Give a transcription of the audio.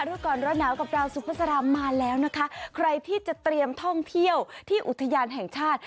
รู้ก่อนร้อนหนาวกับดาวสุภาษามาแล้วนะคะใครที่จะเตรียมท่องเที่ยวที่อุทยานแห่งชาติ